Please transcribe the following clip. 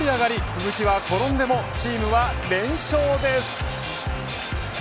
鈴木は転んでもチームは連勝です。